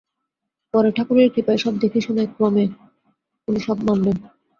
পরে ঠাকুরের কৃপায় সব দেখে শুনে ক্রমে উনি সব মানলেন।